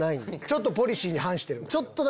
ちょっとポリシーに反してるんだ。